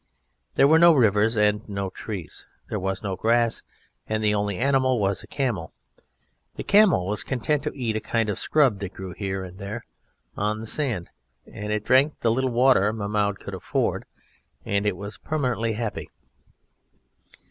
There were no rivers and no trees. There was no grass, and the only animal was a camel. The camel was content to eat a kind of scrub that grew here and there on the sand, and it drank the little water Mahmoud could afford it, and was permanently happy.